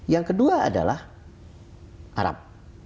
yang kedua adalah arab